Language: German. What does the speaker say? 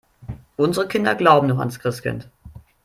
Unsere Kinder glauben noch ans Christkind.